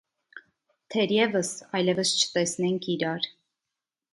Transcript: Թերևս այլևս չտեսնենք իրար: